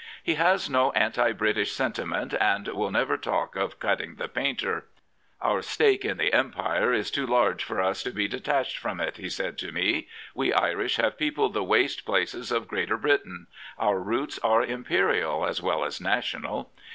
He has no anti British sentiment and will never talk of " cutting the painter.*' Our stake in the Empire is too large for us to be detached from it," he said to me. " We Irish have peopled the waste places of Greater Britain. Our roots are Imperial as well as national."